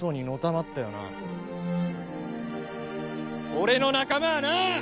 俺の仲間はな！